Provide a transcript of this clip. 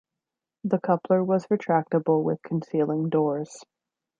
The coupler was retractable with concealing doors.